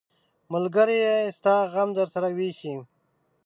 ملګری ستا غم درسره ویشي.